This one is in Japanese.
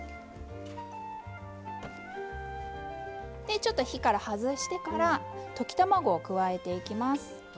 ちょっと火から外してから溶き卵を加えていきます。